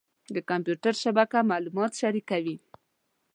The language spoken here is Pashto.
د کمپیوټر شبکه معلومات شریکوي.